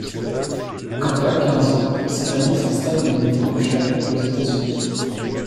Quand elle a quinze ans, sa famille s'installe dans le New Hampshire aux États-Unis.